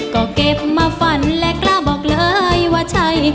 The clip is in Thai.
ก็เก็บมาฝันและกล้าบอกเลยว่าใช่